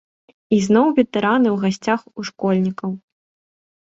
І зноў ветэраны ў гасцях у школьнікаў.